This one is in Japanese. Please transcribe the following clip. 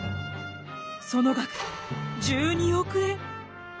その額１２億円！